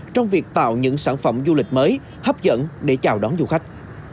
trong việc tạo những sản phẩm du lịch mới hấp dẫn để chào đón du khách